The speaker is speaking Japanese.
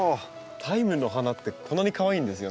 タイムの花ってこんなにかわいいんですよね。